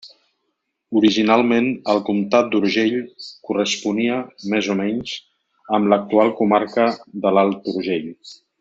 Originalment, el comtat d'Urgell corresponia, més o menys, amb l'actual comarca de l'Alt Urgell.